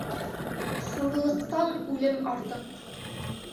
Хурлыҡтан үлем артыҡ.